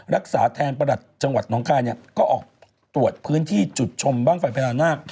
รักษาแทนประหลัดจังหวัดน้องคายก็ออกตรวจพื้นที่จุดชมบ้างไฟพญานาค